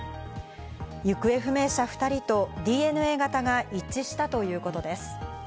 行方不明者２人とＤＮＡ型が一致したということです。